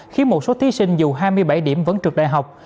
khiến một số thí sinh dù hai mươi bảy điểm vẫn trượt đại học